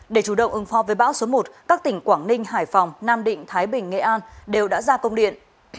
để chủ động ứng phó với bão số một các tỉnh quảng ninh hải phòng nam định thái bình nghệ an đều đã ra công điện